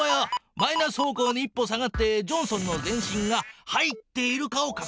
マイナス方向に１歩下がってジョンソンの全身が入っているかをかくにんしろ。